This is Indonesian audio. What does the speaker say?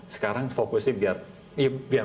sekarang fokusnya biar